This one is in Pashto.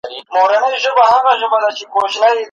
له کلونو په ربات کي د جرس په انتظار یم